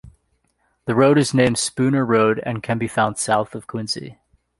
The road is named Spooner Road and can be found south of Quincy.